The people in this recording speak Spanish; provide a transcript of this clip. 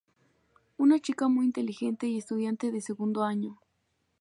Una chica muy inteligente y estudiante de segundo año.